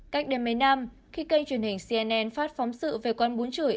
cách đến mấy năm khi kênh truyền hình cnn phát phóng sự về quán bún chửi